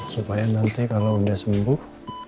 supaya nanti kalau udah seminggu